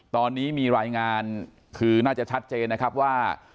ตอนนี้มีรายงานคือน่าจะชัดเจนนะครับว่า